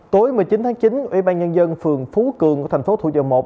tối một mươi chín tháng chín ưu ba nhân dân phường phú cường của thành phố thủ dầu một